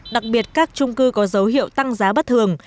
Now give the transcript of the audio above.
đặc biệt các trung cư có dấu hiệu tăng giá bất thường